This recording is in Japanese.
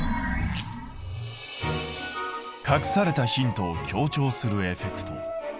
隠されたヒントを強調するエフェクト。